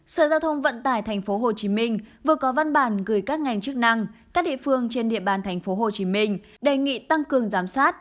sở giao thông vận tải tp hcm vừa có văn bản gửi các ngành chức năng các địa phương trên địa bàn tp hcm đề nghị tăng cường giám sát